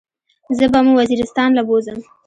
زه به مو وزيرستان له بوزم.